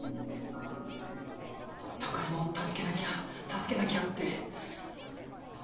貴山を助けなきゃ助けなきゃって。